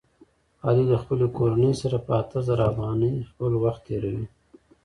علي له خپلې کورنۍ سره په اته زره افغانۍ خپل وخت تېروي.